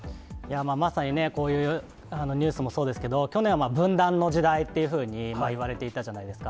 まさにね、こういうニュースもそうですけど、去年は分断の時代っていうふうにいわれていたじゃないですか。